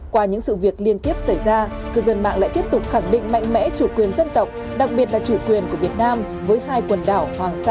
qua những sự việc liên tiếp xảy ra cư dân mạng lại tiếp tục khẳng định mạnh mẽ chủ quyền dân tộc đặc biệt là chủ quyền của việt nam với hai quần đảo hoàng sa